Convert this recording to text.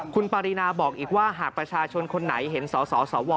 คุณปรินาบอกอีกว่าหากประชาชนคนไหนเห็นสสว